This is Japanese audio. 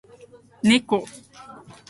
ねこ